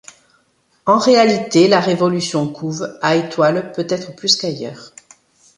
En réalité, la révolution couve, à Étoile peut-être plus qu'ailleurs.